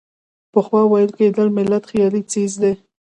پخوا ویل کېدل ملت خیالي څیز دی.